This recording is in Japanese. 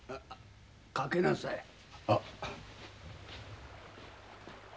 かけなさい。